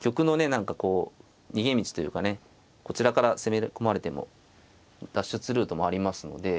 何かこう逃げ道というかねこちらから攻め込まれても脱出ルートもありますので。